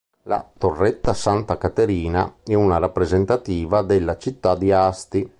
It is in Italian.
La Torretta Santa Caterina è una rappresentativa della città di Asti.